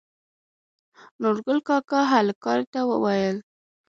نورګل کاکا هلکانو ته وويل